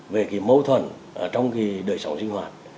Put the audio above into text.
về mâu thuẫn trong đời sống sinh hoạt